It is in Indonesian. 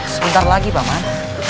sebentar lagi paman